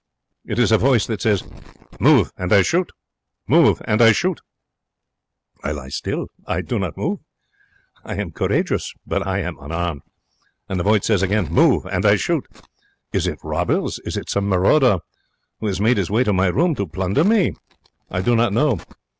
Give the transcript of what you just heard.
It is a voice that says, 'Move and I shoot! Move and I shoot!' I lie still. I do not move. I am courageous, but I am unarmed. And the voice says again, 'Move and I shoot!' Is it robbers? Is it some marauder who has made his way to my room to plunder me? I do not know.